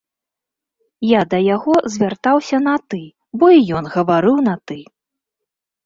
Я да яго звяртаўся на ты, бо і ён гаварыў на ты.